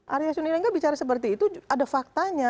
arya sunilengga bicara seperti itu ada faktanya